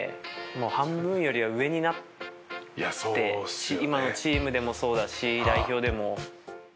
もう半分よりは上になって今のチームでもそうだし代表でも。